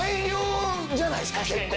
じゃないですか結構。